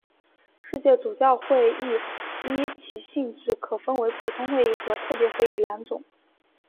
世界主教会议依其性质可分为普通会议和特别会议两种。